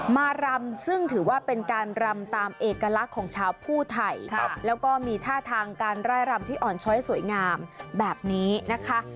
รำซึ่งถือว่าเป็นการรำตามเอกลักษณ์ของชาวผู้ไทยแล้วก็มีท่าทางการไล่รำที่อ่อนช้อยสวยงามแบบนี้นะคะ